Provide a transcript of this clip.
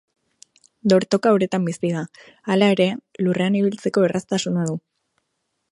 Dortoka uretan bizi da, hala ere, lurrean ibiltzeko erraztasuna du.